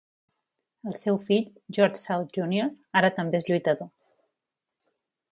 El seu fill, George South Junior, ara també és lluitador.